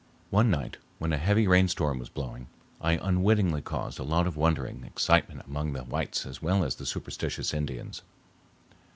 One night when a heavy rainstorm was blowing I unwittingly caused a lot of wondering excitement among the whites as well as the superstitious Indians.